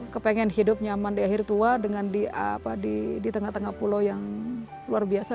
kepengen hidup nyaman di akhir tua dengan di tengah tengah pulau yang luar biasa